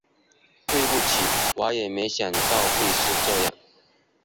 对不起，我也没想到会是这样